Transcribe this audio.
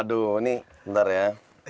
waduh ini bentar ya